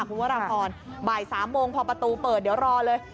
เพราะว่ารางคอนบ่าย๓โมงพอประตูเปิดเดี๋ยวรอเลย